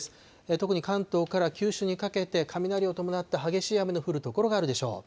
特に関東から九州にかけて雷を伴った激しい雨の降る所があるでしょう。